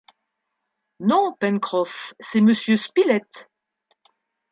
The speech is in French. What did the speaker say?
Non, Pencroff, c’est Monsieur Spilett